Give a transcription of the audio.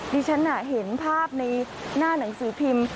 ฉันเห็นภาพในหน้าหนังสือพิมพ์